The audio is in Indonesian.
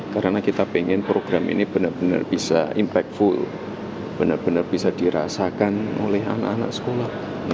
karena kita pengen program ini benar benar bisa impactful benar benar bisa dirasakan oleh anak anak sekolah